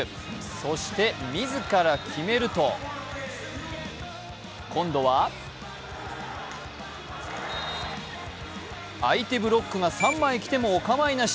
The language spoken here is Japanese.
そして、自ら決めると今度は相手ブロックが３枚来てもお構いなし。